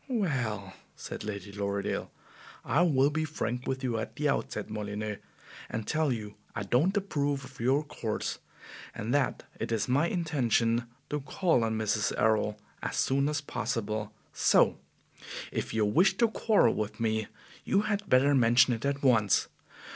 "Well," said Lady Lorridaile, "I will be frank with you at the outset, Molyneux, and tell you I don't approve of your course, and that it is my intention to call on Mrs. Errol as soon as possible; so if you wish to quarrel with me, you had better mention it at once.